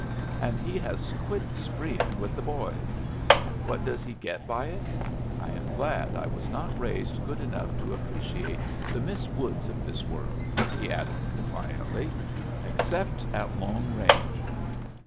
And he has quit spreein' with the boys. And what does he get by it? I am glad I was not raised good enough to appreciate the Miss Woods of this world," he added, defiantly "except at long range."